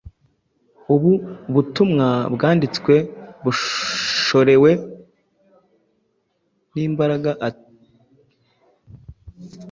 Ubu butumwa, bwanditswe bushorewe n’imbaraga itari iy’umuntu ahubwo y’Imana